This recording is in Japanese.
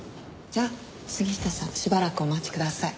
じゃあ杉下さんしばらくお待ちください。